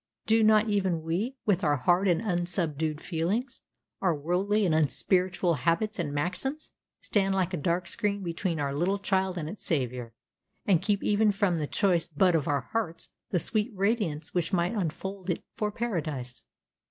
Do not even we, with our hard and unsubdued feelings, our worldly and unspiritual habits and maxims, stand like a dark screen between our little child and its Savior, and keep even from the choice bud of our hearts the sweet radiance which might unfold it for Paradise?